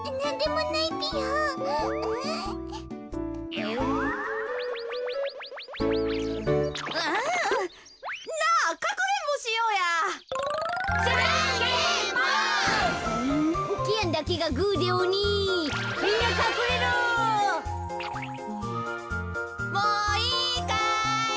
もういいかい？